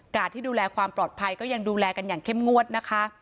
ที่ดูแลความปลอดภัยก็ยังดูแลกันอย่างเข้มงวดนะคะ